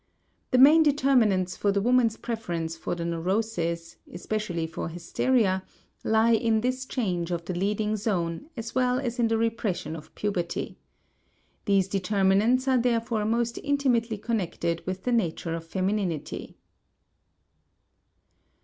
The main determinants for the woman's preference for the neuroses, especially for hysteria, lie in this change of the leading zone as well as in the repression of puberty. These determinants are therefore most intimately connected with the nature of femininity.